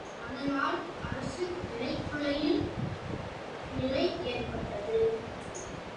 அதனால், அரசு நிலைகுலையும் நிலையேற்பட்டது.